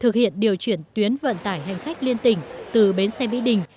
thực hiện điều chuyển tuyến vận tải hành khách liên tỉnh từ bến xe mỹ đình